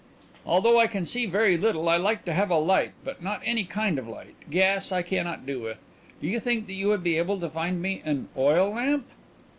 "Although I can see very little I like to have a light, but not any kind of light. Gas I cannot do with. Do you think that you would be able to find me an oil lamp?"